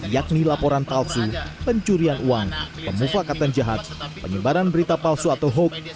yakni laporan palsu pencurian uang pemufakatan jahat penyebaran berita palsu atau hoax